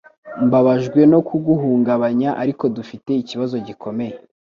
Mbabajwe no kuguhungabanya ariko dufite ikibazo gikomeye